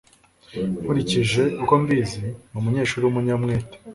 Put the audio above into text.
Nkurikije uko mbizi, ni umunyeshuri w'umunyamwete.